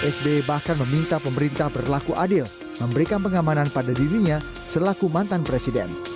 sbi bahkan meminta pemerintah berlaku adil memberikan pengamanan pada dirinya selaku mantan presiden